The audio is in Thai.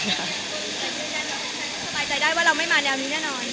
สบายใจได้ว่าเราไม่มาแนวนี้แน่นอน